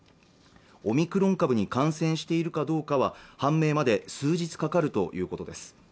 オミクロン株に感染しているかどうかは判明まで数日かかるということです